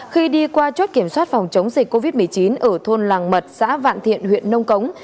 khi đi qua chốt kiểm soát phòng chống dịch covid một mươi chín ở thôn làng mật xã vạn thiện huyện nông cống